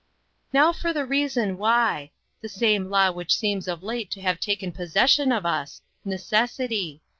" Now for the reason why : the same law which seems of late to have taken posses sion of us necessity.